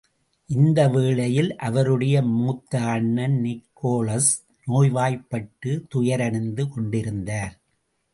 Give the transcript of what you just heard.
இந்த வேளையில் அவருடைய மூத்த அண்ணன் நிக்கோலஸ் நோய்வாய்பட்டு துயரடைந்து கொண்டிருந்தார்.